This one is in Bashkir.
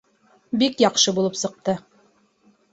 Бик яҡшы булып сыҡты.